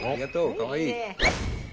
かわいい。